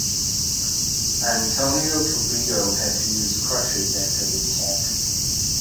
Antonio Cubillo had to use crutches after the attack.